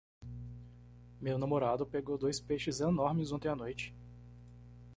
Meu namorado pegou dois peixes enormes ontem à noite.